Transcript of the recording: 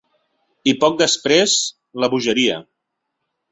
I poc després, la bogeria.